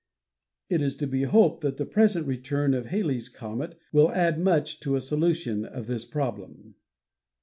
It is to be hoped that the present return of Halley's comet will add much to a solution of this problem.